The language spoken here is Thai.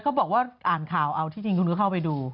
เขาบอกว่าอ่านข่าวเอาที่จริงคุณก็เข้าไปดู